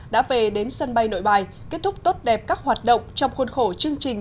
đã về đến sân bay nội bài kết thúc tốt đẹp các hoạt động trong khuôn khổ chương trình